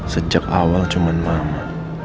sejak awal cuma mama